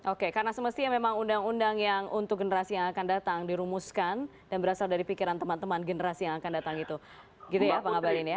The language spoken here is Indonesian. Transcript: oke karena semestinya memang undang undang yang untuk generasi yang akan datang dirumuskan dan berasal dari pikiran teman teman generasi yang akan datang itu gitu ya bang abalin ya